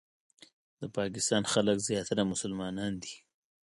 د پاکستان خلک زیاتره مسلمانان دي.